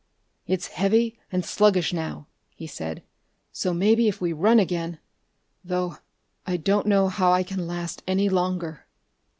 "It's heavy and sluggish, now," he said, "so maybe if we run again.... Though I don't know how I can last any longer...."